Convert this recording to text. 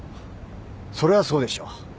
そりゃそうでしょう。